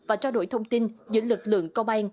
và trao đổi thông tin giữa lực lượng công an